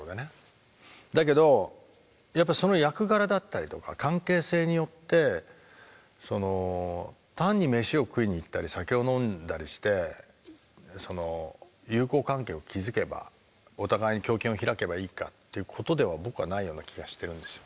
だけどやっぱりその役柄だったりとか関係性によって単にメシを食いに行ったり酒を飲んだりして友好関係を築けばお互いに胸襟を開けばいいかっていうことでは僕はないような気がしてるんですよ。